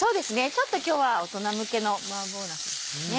ちょっと今日は大人向けの麻婆なすですよね。